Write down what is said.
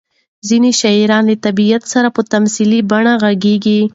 ځینې شاعران له طبیعت سره په تمثیلي بڼه غږېږي.